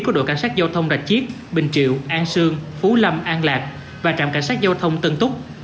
của đội cảnh sát giao thông rạch chiếc bình triệu an sương phú lâm an lạc và trạm cảnh sát giao thông tân túc